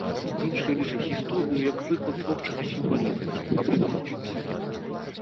Іншыя лічаць гісторыю як прыклад творчага сімвалізму або набожнай легендай.